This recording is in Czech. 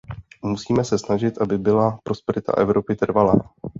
Musíme se snažit, aby byla prosperita Evropy trvalá.